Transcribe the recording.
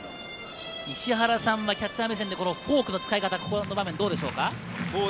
石原さんはキャッチャー目線でフォークの使い方はどうですか。